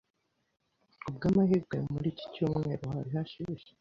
Ku bw'amahirwe, muri iki cyumweru hari hashyushye.